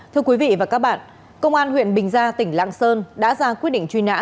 thưa quý vị và các bạn công an huyện bình gia tỉnh lạng sơn đã ra quyết định truy nã